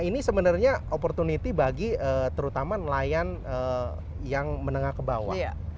ini sebenarnya opportunity bagi terutama nelayan yang menengah ke bawah